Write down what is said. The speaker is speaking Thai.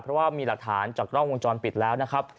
เพราะว่ามีหลักฐานจากกล้องวงจรปิดแล้วนะครับ